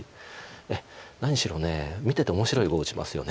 ええ何しろ見てて面白い碁を打ちますよね。